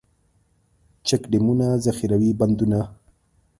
چک ډیمونه، ذخیروي بندونه.